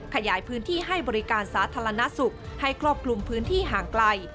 ขยายพื้นที่ให้บริการสาธารณสุขให้ครอบคลุมพื้นที่ห่างไกล